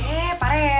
eh pak reten